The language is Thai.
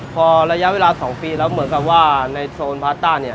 พอระยะเวลา๒ปีแล้วเหมือนกับว่าในโซนพาต้าเนี่ย